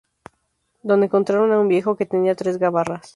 Donde encontraron a un viejo que tenía tres gabarras.